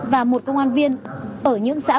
và một công an viên ở những xã